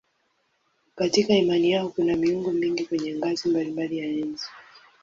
Katika imani yao kuna miungu mingi kwenye ngazi mbalimbali ya enzi.